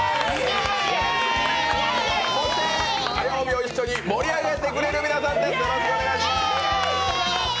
そして火曜日を一緒に盛り上げてくれる皆さんです。